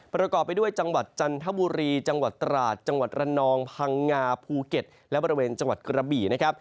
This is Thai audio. ประกอบไปด้วยจังหวัดจันทบุรีจังหวัดตราดจังหวัดระนองพังงาภูเก็ตและบริเวณจังหวัดกระบี่นะครับ